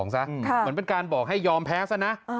เหมือนเป็นการบอกให้ยอมแพ้ซะนะ